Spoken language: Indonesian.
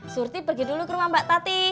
surti pergi dulu ke rumah mbak tati